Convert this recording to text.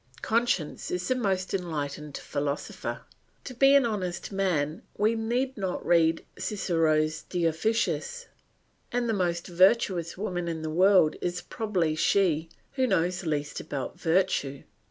Conscience is the most enlightened philosopher; to be an honest man we need not read Cicero's De Officiis, and the most virtuous woman in the world is probably she who knows least about virtue.